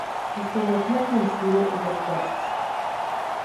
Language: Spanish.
Discografía con Ciro y los Persas.